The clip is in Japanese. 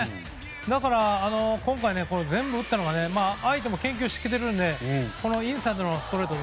だから今回、全部打ったのが相手も研究してきているのでこのインサイドのストレート。